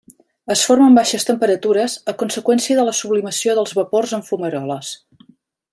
Es forma en baixes temperatures a conseqüència de la sublimació dels vapors en fumaroles.